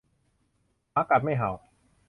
หมากัดไม่เห่า